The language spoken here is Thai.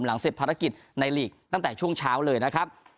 เสร็จภารกิจในหลีกตั้งแต่ช่วงเช้าเลยนะครับ